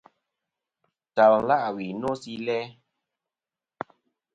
Ntal la' wi no si læ.